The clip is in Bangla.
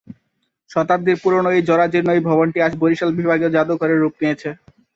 শতাব্দীর পুরনো এই জরাজীর্ণ এই ভবনটি আজ বরিশাল বিভাগীয় জাদুঘর-এ রূপ নিয়েছে।